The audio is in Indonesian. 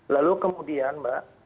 lalu kemudian mbak